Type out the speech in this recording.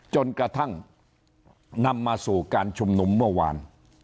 จนกระทั่งนำมาสู่การชุมนุมเมื่อวาน